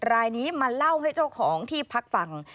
รายนี้มาเล่าให้เจ้าของที่พักฟัง